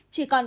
chỉ còn ba